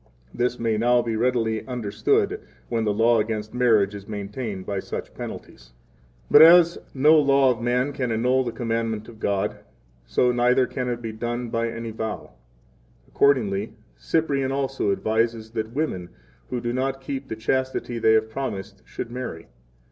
23 This may now be readily understood when the law against marriage is maintained by such penalties. 24 But as no law of man can annul the commandment of God, so neither can it be done by any vow. 25 Accordingly, Cyprian also advises that women who do not keep the chastity they have promised should marry.